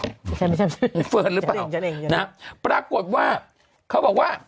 ใช่มั้ยใช่มั้ยฉันเองนะปรากฏว่าเขาบอกว่า